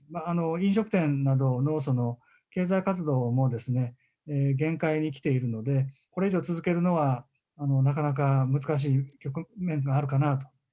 飲食店などの経済活動もですね、限界に来ているので、これ以上続けるのはなかなか難しい局面があるかなと。